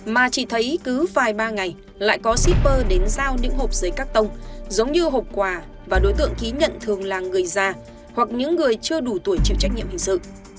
mà chỉ thấy cứ vài ba ngày lại có shipper đến giao những hộp giấy cắt tông giống như hộp quà và đối tượng ký nhận thường là người già hoặc những người chưa đủ tuổi chịu trách nhiệm hình sự